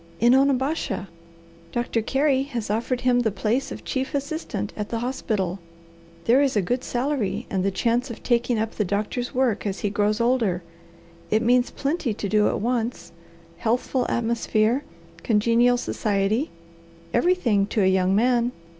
"In Onabasha! Doctor Carey has offered him the place of chief assistant at the hospital. There is a good salary and the chance of taking up the doctor's work as he grows older. It means plenty to do at once, healthful atmosphere, congenial society everything to a young man.